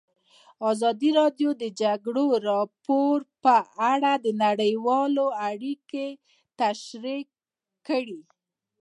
ازادي راډیو د د جګړې راپورونه په اړه نړیوالې اړیکې تشریح کړي.